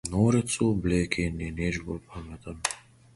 Norec v obleki ni nič bolj pameten.